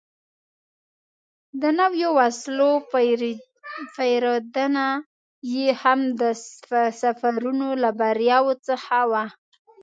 د نویو وسلو پېرودنه یې هم د سفرونو له بریاوو څخه وه.